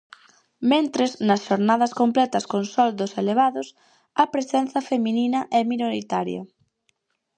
Mentres, nas xornadas completas con soldos elevados a presenza feminina é minoritaria.